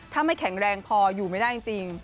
ถ้าไม่แข็งแรงพออยู่ไม่ได้จริง